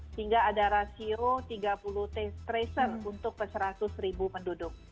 sehingga ada rasio tiga puluh tracer untuk ke seratus ribu penduduk